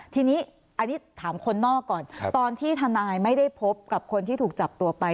ทีนี้อันนี้ถามคนนอกก่อนตอนที่ทนายไม่ได้พบกับคนที่ถูกจับตัวไป